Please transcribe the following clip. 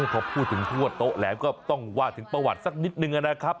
พอพูดถึงทั่วโต๊ะแหลมก็ต้องว่าถึงประวัติสักนิดนึงนะครับ